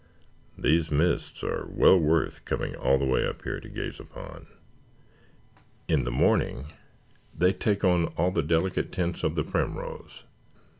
"These mists are well worth coming all the way up here to gaze upon. In the morning they take on all the delicate tints of the primrose.